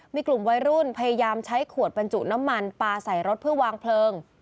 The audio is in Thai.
มีกลุ่มวัยรุ่นพยายามใช้ขวดบรรจุน้ำมันปลาใส่รถเพื่อวางเพลิง